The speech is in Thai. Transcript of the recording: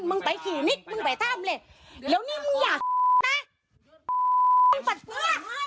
มึงไปทำเลยแล้วนี่มึงอย่านะมึงปัดปื้อ